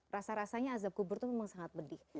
rasa rasanya azab kubur itu memang sangat pedih